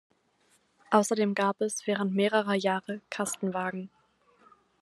Außerdem gab es während mehrerer Jahre Kastenwagen.